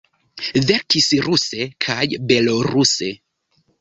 Verkis ruse kaj beloruse.